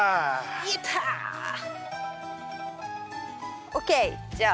やった。ＯＫじゃあ。